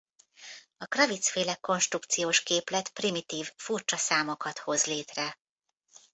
A Kravitz-féle konstrukciós képlet primitív furcsa számokat hoz létre.